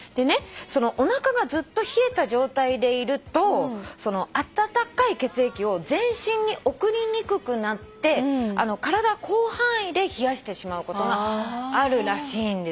おなかがずっと冷えた状態でいると温かい血液を全身に送りにくくなって体を広範囲で冷やしてしまうことがあるらしいんです。